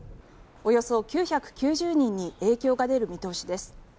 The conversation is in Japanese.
およそ９９０人に影響が出る見通しです。